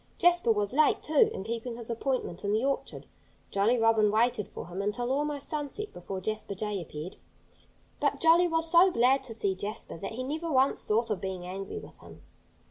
Jasper was late, too, in keeping his appointment in the orchard. Jolly Robin waited for him until almost sunset before Jasper Jay appeared. But Jolly was so glad to see Jasper that he never once thought of being angry with him.